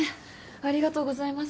ありがとうございます。